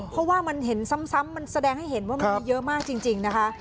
เพราะว่ามันเห็นซ้ำมันแสดงให้เห็นว่ามันมีเยอะมากจริงนะคะ